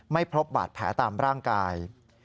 ไม่พบบาดแผลตามร่างกาย